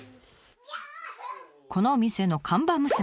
このお店の看板娘。